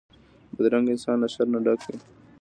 بدرنګه انسان له شر نه ډک وي